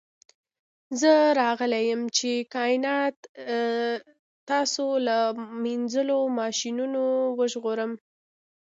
زه راغلی یم چې کائنات ستا له مینځلو ماشینونو وژغورم